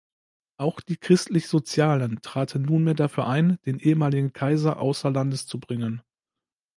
Auch die Christlichsozialen traten nunmehr dafür ein, den ehemaligen Kaiser außer Landes zu bringen.